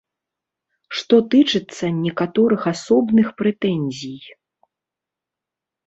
Што тычыцца некаторых асобных прэтэнзій.